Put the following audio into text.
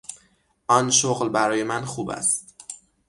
آن شغل برای من خوب است.